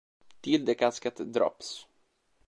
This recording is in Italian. Til the Casket Drops